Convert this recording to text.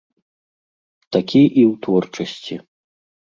Такі і ў творчасці.